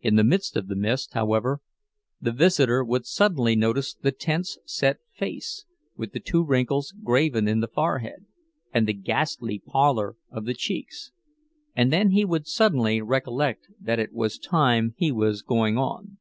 In the midst of the mist, however, the visitor would suddenly notice the tense set face, with the two wrinkles graven in the forehead, and the ghastly pallor of the cheeks; and then he would suddenly recollect that it was time he was going on.